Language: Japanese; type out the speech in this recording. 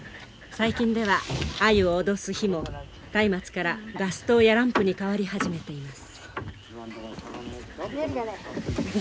最近ではアユを脅す火もたいまつからガス灯やランプにかわり始めています。